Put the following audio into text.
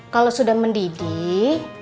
kalau sudah mendidih